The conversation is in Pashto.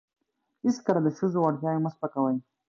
هیڅکله د ښځو وړتیاوې مه سپکوئ.